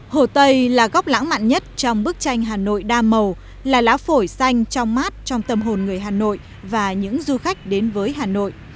hồ tây là góc lãng mạn nhất trong bức tranh hà nội đa màu là lá phổi xanh trong mát trong tâm hồn người hà nội và những du khách đến với hà nội